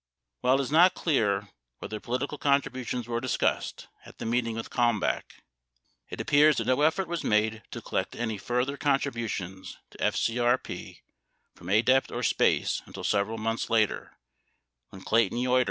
77 While it is not clear whether political contributions were discussed at the meeting with Kalm bach, 78 it appears that no effort was made to collect any further con tributions to FCRP from ADEPT or SPACE until several months 07 Connally, 14 Hearings 6085. 68 Ibid.